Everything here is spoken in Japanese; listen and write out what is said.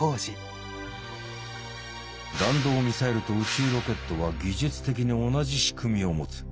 弾道ミサイルと宇宙ロケットは技術的に同じ仕組みを持つ。